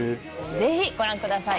ぜひご覧ください